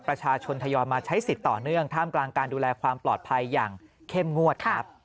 ประชาชนทยอยมาใช้สิทธิ์ต่อเนื่องท่ามกลางการดูแลความปลอดภัยอย่างเข้มงวดครับ